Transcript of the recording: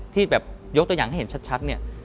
ที่แบบยกตัวอย่างให้เห็นชัดเนี่ย